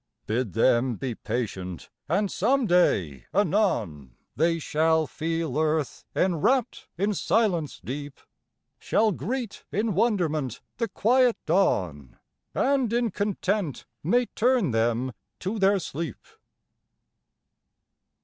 Bid them be patient, and some day, anon, They shall feel earth enwrapt in silence deep; Shall greet, in wonderment, the quiet dawn, And in content may turn them to their sleep.